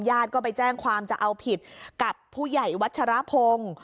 ญาติก็ไปแจ้งความจะเอาผิดกับผู้ใหญ่วัชรพงศ์